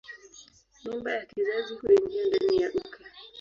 Mimba ya kizazi huingia ndani ya uke.